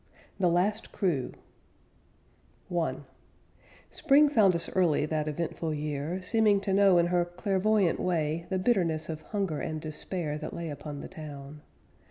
THE LAST CREW I Spring found us early that eventful year, Seeming to know in her clairvoyant way The bitterness of hunger and despair That lay upon the town.